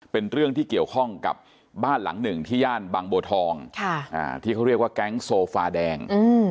เป็นเรื่องที่เกี่ยวข้องกับบ้านหลังหนึ่งที่ย่านบางบัวทองที่เขาเรียกว่าแก๊งโซฟาแดง